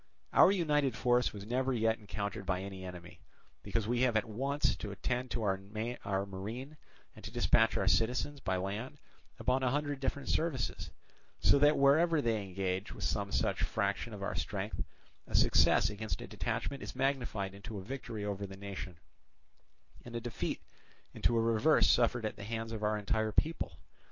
Our united force was never yet encountered by any enemy, because we have at once to attend to our marine and to dispatch our citizens by land upon a hundred different services; so that, wherever they engage with some such fraction of our strength, a success against a detachment is magnified into a victory over the nation, and a defeat into a reverse suffered at the hands of our entire people.